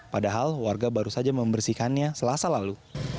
padahal warga baru saja membersihkannya selasa lalu